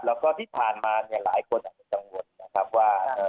แล้วก็ที่ผ่านมาเนี่ยหลายคนอาจจะกังวลนะครับว่า